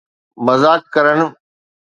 مذاق ڪرڻ